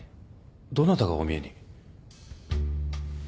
どなたがおみえに？